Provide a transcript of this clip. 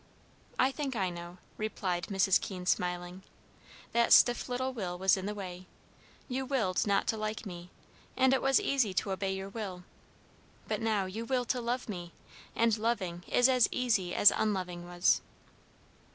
"I think I know," replied Mrs. Keene, smiling. "That stiff little will was in the way. You willed not to like me, and it was easy to obey your will; but now you will to love me, and loving is as easy as unloving was."